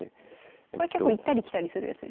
これ結構行ったり来たりするやつですよね？